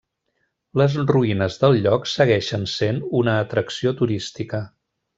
Les ruïnes del lloc segueixen sent una atracció turística.